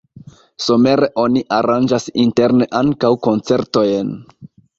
Somere oni aranĝas interne ankaŭ koncertojn.